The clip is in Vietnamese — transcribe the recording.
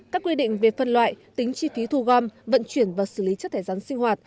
các quy định về phân loại tính chi phí thu gom vận chuyển và xử lý chất thải rắn sinh hoạt